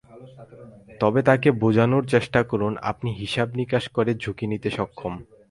তবে তাঁকে বোঝানোর চেষ্টা করুন, আপনি হিসাব-নিকাশ করে ঝুঁকি নিতে সক্ষম।